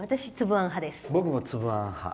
僕もつぶあん派。